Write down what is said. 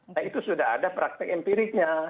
nah itu sudah ada praktek empiriknya